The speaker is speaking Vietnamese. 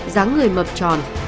giáng người mập tròn